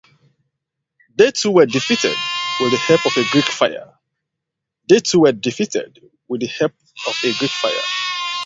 They too were defeated, with the help of Greek fire.